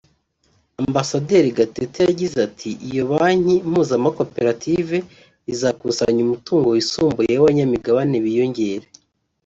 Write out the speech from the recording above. Ambasaderi Gatete yagize ati ”Iyo Banki mpuzamakorative izakusanya umutungo wisumbuye n’abanyamigabane biyongere